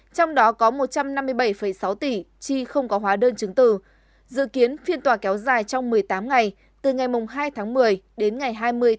trong đó có một trăm năm mươi bảy sáu tỷ chi không có hóa đơn chứng từ dự kiến phiên tòa kéo dài trong một mươi tám ngày từ ngày hai tháng một mươi đến ngày hai mươi tháng tám